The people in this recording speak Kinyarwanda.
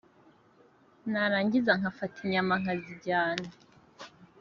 narangiza nkafata inyama nkazijyana”